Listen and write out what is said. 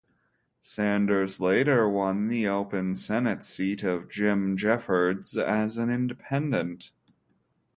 Sanders later won the open Senate seat of Jim Jeffords as an independent.